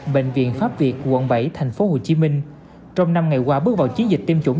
bệnh viện pháp việt quận bảy tp hcm trong năm ngày qua bước vào chiến dịch tiêm chủng